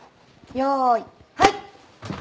用意はい！